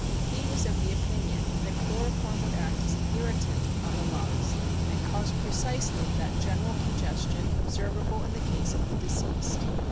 He was of the opinion that chloroform would act as an irritant upon the lungs and cause precisely that general congestion observable in the case of the deceased.